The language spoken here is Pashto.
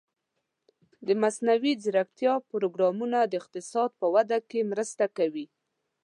د مصنوعي ځیرکتیا پروګرامونه د اقتصاد په وده کې مرسته کوي.